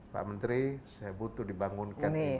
pak menteri saya butuh dibangunkan